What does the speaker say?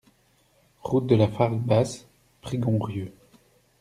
Route de la Fargue Basse, Prigonrieux